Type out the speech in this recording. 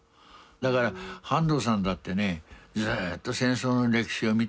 だから半藤さんだってねずっと戦争の歴史を見てきてですよ